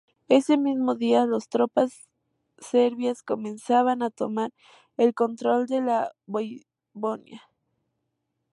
Ese mismo día, las tropas serbias comenzaban a tomar el control de la Voivodina.